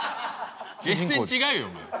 全然違うよお前。